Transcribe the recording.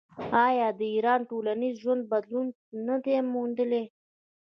آیا د ایران ټولنیز ژوند بدلون نه دی موندلی؟